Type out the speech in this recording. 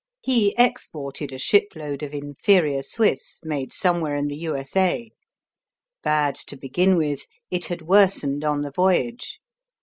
He exported a shipload of inferior "Swiss" made somewhere in the U.S.A. Bad to begin with, it had worsened on the voyage.